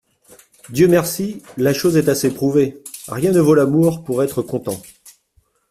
Dieu merci, la chose est assez prouvée : Rien ne vaut l'amour pour être content.